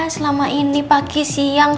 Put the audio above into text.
selama ini pagi siang